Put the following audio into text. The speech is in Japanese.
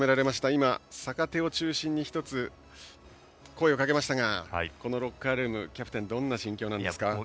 今、坂手を中心に１つ声をかけましたがこのロッカールームキャプテン、どんな心境ですか。